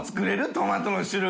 トマトの種類。